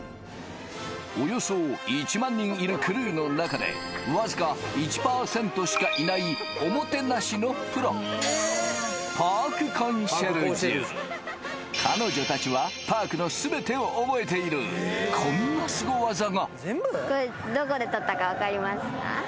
およそ１万人いるクルーの中でわずか１％しかいないおもてなしのプロ彼女達はパークの全てをオボエているこんなすご技がこれどこで撮ったか分かりますか？